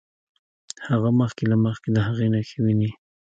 هغه مخکې له مخکې د هغې نښې ويني.